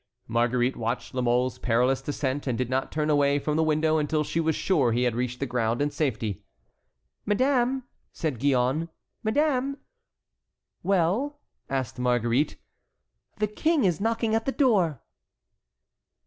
Marguerite watched La Mole's perilous descent and did not turn away from the window until she was sure he had reached the ground in safety. "Madame," said Gillonne, "madame!" "Well?" asked Marguerite. "The King is knocking at the door."